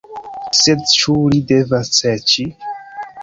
Sed ĉu li devas serĉi?